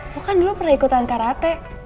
aku kan dulu pernah ikutan karate